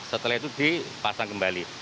setelah itu dipasang kembali